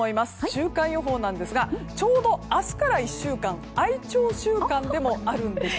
週間予報なんですがちょうど明日から１週間愛鳥週間でもあるんです。